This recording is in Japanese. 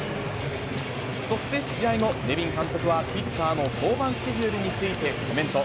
そして試合後、ネビン監督はピッチャーの登板スケジュールについてコメント。